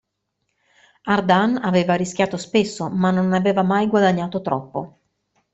Ardan aveva rischiato spesso, ma non aveva mai guadagnato troppo.